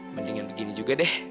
mendingan begini juga deh